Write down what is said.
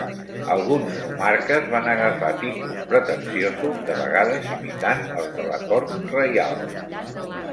Alguns nomarques van agafar títols pretensiosos, de vegades imitant els de la cort reial.